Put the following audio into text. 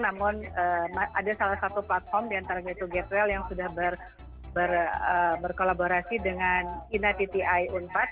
namun ada salah satu platform di antara itu getwell yang sudah berkolaborasi dengan inatiti iunpad